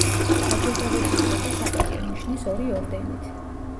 დაჯილდოვებული იყო „საპატიო ნიშნის“ ორი ორდენით.